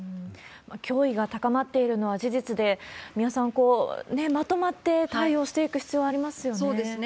脅威が高まっているのは事実で、三輪さん、まとまって対応していく必要はありますよね。